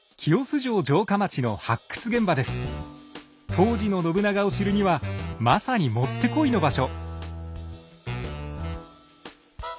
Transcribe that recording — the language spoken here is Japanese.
当時の信長を知るにはまさにもってこいの場所。